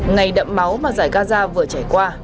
ngày đậm máu mà giải gaza vừa trải qua